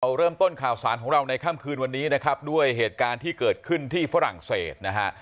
เริ่มต้นข่าวสารของเราในค่ำคืนวันนี้นะครับด้วยเหตุการณ์ที่เกิดขึ้นที่ฝรั่งเศสนะฮะ